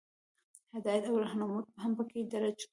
هدایات او رهنمودونه هم پکې درج کیږي.